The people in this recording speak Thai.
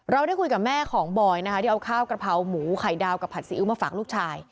ได้คุยกับแม่ของบอยนะคะที่เอาข้าวกระเพราหมูไข่ดาวกับผัดซีอิ๊วมาฝากลูกชาย